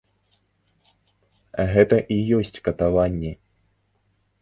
Гэта і ёсць катаванні.